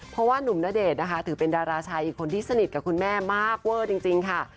เพราะว่านุ่มณเดชน์นะคะถือเป็นดาราชายอีกคนที่สนิทกับคุณแม่มากเวอร์จริงค่ะ